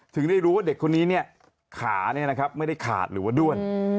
ถึงได้รู้ว่าเด็กคนนี้เนี่ยขาเนี่ยนะครับไม่ได้ขาดหรือว่าด้วน